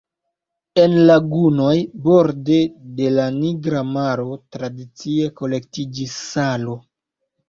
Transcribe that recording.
En lagunoj borde de la Nigra Maro tradicie kolektiĝis salo.